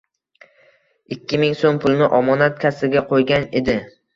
Ikki ming soʻm pulni omonat kassaga qoʻygan edi.